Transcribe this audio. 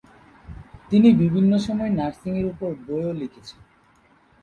তিনি বিভিন্ন সময় নার্সিংয়ের উপর বইও লিখেছেন।